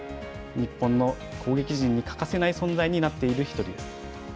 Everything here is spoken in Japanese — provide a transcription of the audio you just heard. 日本の攻撃陣に欠かせない存在になっている１人です。